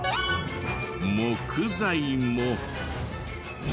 木材も。